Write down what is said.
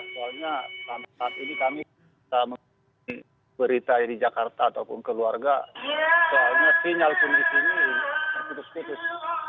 soalnya sampai saat ini kami berita di jakarta ataupun keluarga soalnya sinyal pun di sini terputus putus